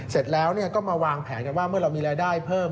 เสร็จแล้วก็มาวางแผนกันว่าเมื่อเรามีรายได้เพิ่ม